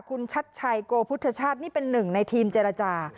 คุณชัดชัยโกพุทธชาตินี่เป็นหนึ่งในทีมเจรจา